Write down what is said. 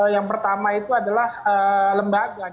yang pertama itu adalah lembaga